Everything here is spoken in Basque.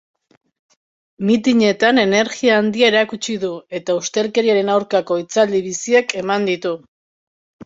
Mitinetan energia handia erakutsi du, eta ustelkeriaren aurkako hitzaldi biziak eman ditu.